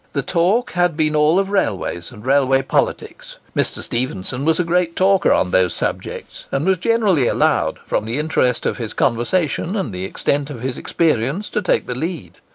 The talk had been all of railways and railway politics. Mr. Stephenson was a great talker on those subjects, and was generally allowed, from the interest of his conversation and the extent of his experience, to take the lead.